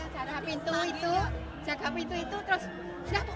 jaga pintu itu jaga pintu itu terus buang buang